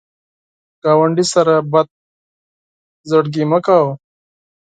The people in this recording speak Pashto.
ګاونډي سره بد زړګي مه کوه